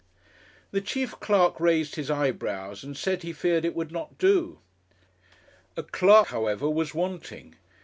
The chief clerk raised his eyebrows and said he feared it would not do. A clerk, however, was wanting.